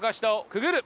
くぐる。